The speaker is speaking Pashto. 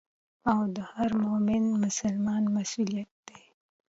او د هر مؤمن مسلمان مسؤليت دي.